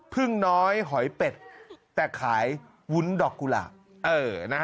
พึ่งน้อยหอยเป็ดแต่ขายวุ้นดอกกุหลาบ